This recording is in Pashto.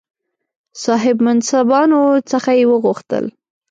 صاحب منصبانو څخه یې وغوښتل.